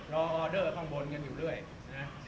ออเดอร์ข้างบนกันอยู่เรื่อยนะ